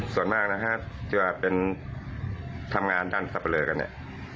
ส่วนมากนะฮะถ้าเป็นทำงานดันสัปเลิกกันเนี่ย